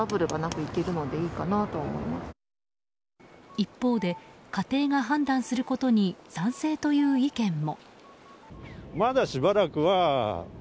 一方で家庭が判断することに賛成という意見も。